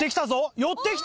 寄ってきた！